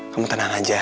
kamu tenang aja deh